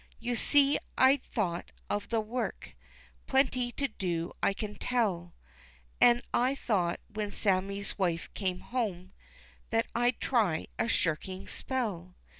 You see, I'd a thought of the work, Plenty to do I can tell, An' I thought when Sammie's wife came home That I'd try a shirking spell.